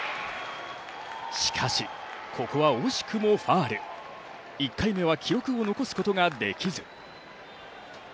しかし、ここは惜しくもファウル１回目は記録を残すことができず。